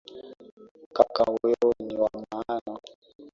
Kaka wewe ni wa maana.